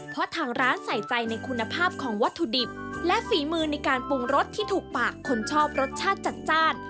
เพราะทางร้านใส่ใจในคุณภาพของวัตถุดิบและฝีมือในการปรุงรสที่ถูกปากคนชอบรสชาติจัดจ้าน